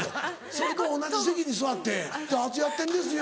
それと同じ席に座って「ダーツやってんですよ」